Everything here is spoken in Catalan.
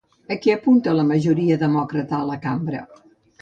A què apunta la majoria demòcrata a la cambra?